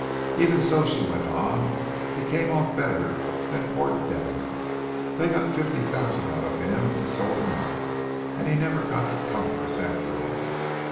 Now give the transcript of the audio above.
"Even so," she went on, "he came off better than poor Devon. They got fifty thousand out of him, and sold him out, and he never got to Congress after all!